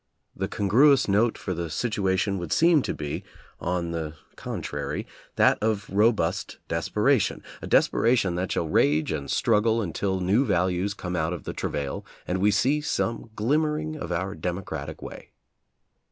The congruous note for the situation would seem to be, on the con trary, that of robust desperation, — a desperation that shall rage and struggle until new values come out of the travail, and we see some glimmering of our democratic way.